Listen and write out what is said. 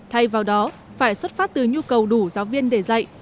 thay vào đó phải xuất phát từ nhu cầu đủ giáo viên để dạy